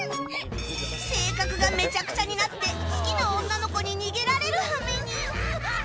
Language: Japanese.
性格がめちゃくちゃになって好きな女の子に逃げられるはめに。